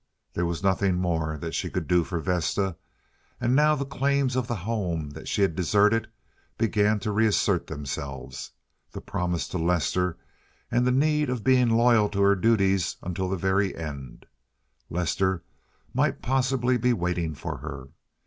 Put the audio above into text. There was nothing more that she could do for Vesta, and now the claims of the home that she had deserted began to reassert themselves, the promise to Lester and the need of being loyal to her duties unto the very end. Lester might possibly be waiting for her.